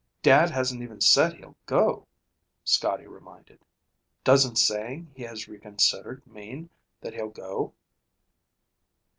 "Dad hasn't even said he'll go," Scotty reminded. "Doesn't saying he has reconsidered mean that he'll go?"